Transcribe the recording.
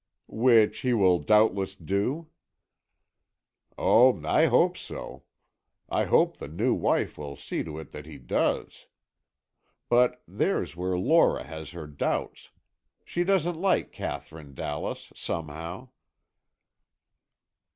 "Which he will doubtless do." "Oh, I hope so. I hope the new wife will see to it that he does. But there's where Lora has her doubts. She doesn't like Katherine Dallas, somehow."